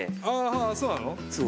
あそうなの？